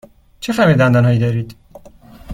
چه خمیردندان هایی دارید؟